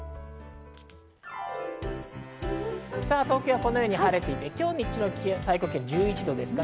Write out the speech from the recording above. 東京はこのように晴れていて、今日日中の最高気温は１１度。